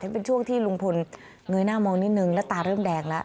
เป็นช่วงที่ลุงพลเงยหน้ามองนิดนึงแล้วตาเริ่มแดงแล้ว